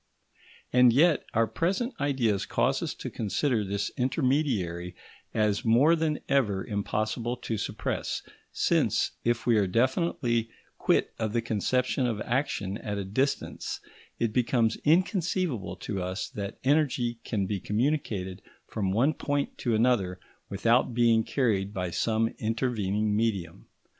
And yet our present ideas cause us to consider this intermediary as more than ever impossible to suppress; since, if we are definitely quit of the conception of action at a distance, it becomes inconceivable to us that energy can be communicated from one point to another without being carried by some intervening medium.